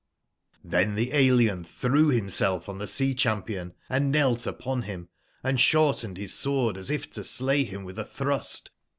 |r)B]V the alien threw himself on the sea champion, and knelt upon him, & shortened his sword as if to slay him with a thrust.